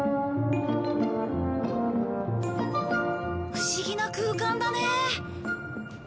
不思議な空間だね。